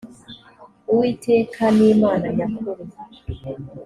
uwiteka n’imana nyakuri.